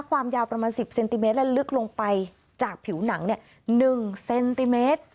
ความยาวประมาณสิบเซนติเมตรและลึกลงไปจากผิวหนังเนี่ยหนึ่งเซนติเมตร